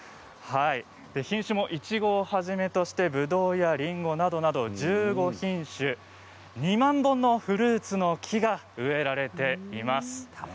品種もいちごをはじめとしてぶどうや、りんごなどなど１５品種２万本のフルーツの木が植えられています。